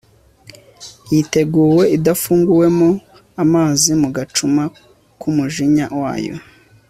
yiteguwe idafunguwemo amazi mugacuma k'umujinya wayo